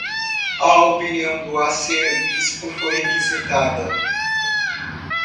A opinião do arcebispo foi requisitada